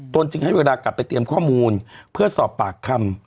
จึงให้เวลากลับไปเตรียมข้อมูลเพื่อสอบปากคำ